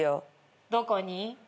どこに？